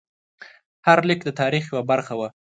هر لیک د تاریخ یوه برخه وه.